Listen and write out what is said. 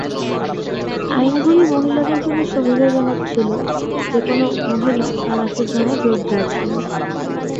আইনগুলি মহিলাদের জন্য সুবিধাজনক ছিল: যে কোনও মহিলা তালাকের জন্য জোর দিয়েছিল।